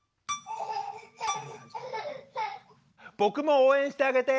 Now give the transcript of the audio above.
僕も応援してあげて。